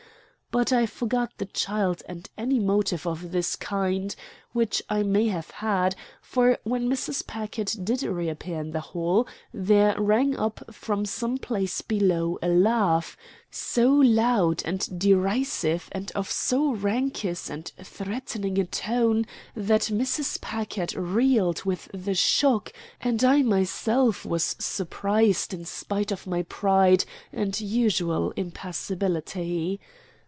But I forgot the child and any motive of this kind which I may have had; for when Mrs. Packard did reappear in the hall, there rang up from some place below a laugh, so loud and derisive and of so raucous and threatening a tone that Mrs. Packard reeled with the shock and I myself was surprised in spite of my pride and usual impassibility.